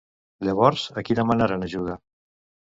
Llavors, a qui demanaren ajuda?